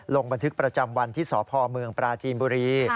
ลงบันทึกประจำวันที่สพเมืองปราจีนบุรี